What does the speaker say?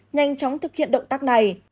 nhanh chóng thực hiện động tác này